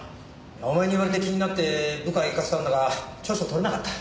お前に言われて気になって部下行かせたんだが調書取れなかった。